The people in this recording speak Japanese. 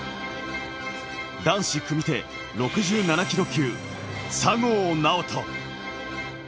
男子組手６７ｋｇ級、佐合尚人。